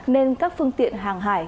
nên các phương tiện hàng hải